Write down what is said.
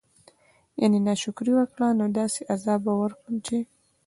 يعني نا شکري وکړه نو داسي عذاب به ورکړم چې